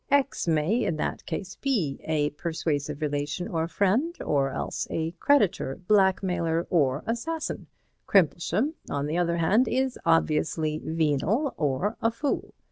X may in that case be a persuasive relation or friend, or else a creditor, blackmailer or assassin; Crimplesham, on the other hand, is obviously venal or a fool.